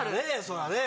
そりゃね。